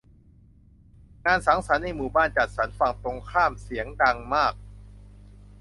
งานสังสรรค์ในหมู่บ้านจัดสรรฝั่งตรงข้ามเสียงดังมาก